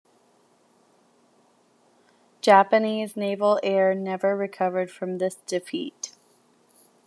Japanese naval air never recovered from this defeat.